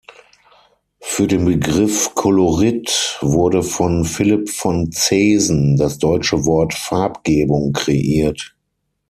Für den Begriff Kolorit wurde von Philipp von Zesen das deutsche Wort Farbgebung kreiert.